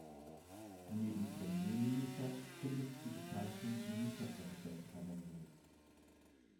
Neben Premierminister findet die Bezeichnung Ministerpräsident Verwendung.